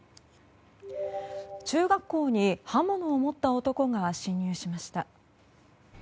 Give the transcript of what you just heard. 中学校に刃物を持った男が侵入しました。